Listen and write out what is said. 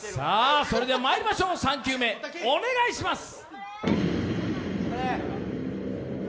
それではまいりましょう３球目、お願いします！